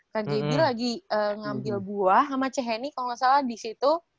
kgb lagi ngambil buah sama cheheny kalo gak salah disitu